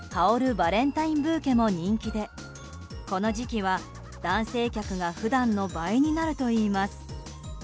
バレンタインブーケも人気でこの時期は男性客が普段の倍になるといいます。